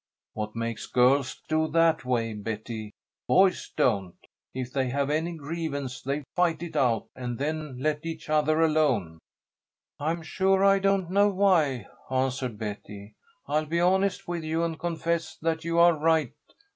What makes girls do that way, Betty? Boys don't. If they have any grievance they fight it out and then let each other alone." "I'm sure I don't know why," answered Betty. "I'll be honest with you and confess that you are right.